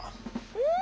うん。